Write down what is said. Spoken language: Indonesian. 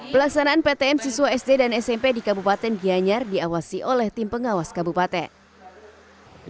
pelaksanaan ptm siswa sd dan smp di kabupaten gianyar diawasi oleh tim pengawas kabupaten